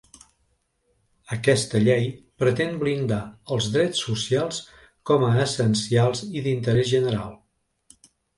Aquesta llei pretén blindar els drets socials com a essencials i d’interès general.